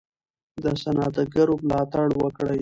د صنعتګرو ملاتړ وکړئ.